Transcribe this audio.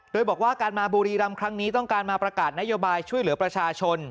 โดยบอกว่าการมาบุรีรำครั้งนี้ต้องการมาประกาศนโยบายช่วยเหลือประชาชน